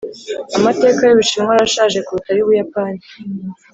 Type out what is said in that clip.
amateka y'ubushinwa arashaje kuruta ay'ubuyapani.